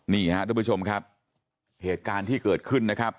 นี่ฮะทุกผู้ชมครับเหตุการณ์ที่เกิดขึ้นนะครับ